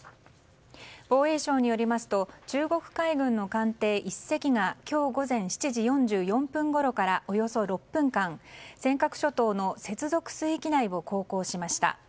防衛省によりますと中国海軍の艦艇１隻が今日午前７時４４分ごろからおよそ６分間尖閣諸島の接続水域内を航行しました。